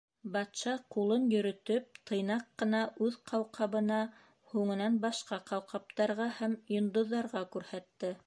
Батша ҡулын йөрөтөп тыйнаҡ ҡына үҙ ҡауҡабына, һуңынан башҡа ҡауҡабтарға һәм йондоҙҙарға күрһәтте.